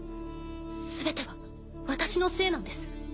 すべては私のせいなんです。